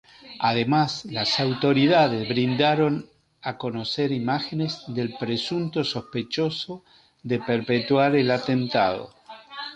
Además, las autoridades dieron a conocer imágenes del presunto sospechoso de perpetrar el atentado.